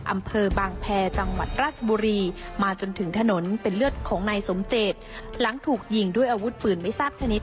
อำเภอบางแพรจังหวัดราชบุรีมาจนถึงถนนเป็นเลือดของนายสมเจตหลังถูกยิงด้วยอาวุธปืนไม่ทราบชนิด